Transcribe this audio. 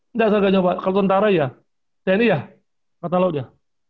enggak saya gak nyoba kalau tentara ya tni ya angkatan laut ya